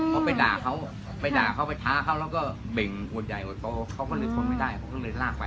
เค้าไปด่าเค้าไปด่าเค้าไปท้าเค้าแล้วก็เบ่งโดนใหญ่โดนโตเค้าก็เลยพ้นไม่ได้เค้าก็เลยลากไป